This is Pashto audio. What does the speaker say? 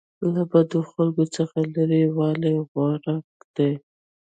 له بدو خلکو څخه لرې والی غوره دی.